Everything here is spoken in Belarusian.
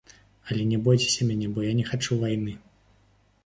Але не бойцеся мяне, бо я не хачу вайны.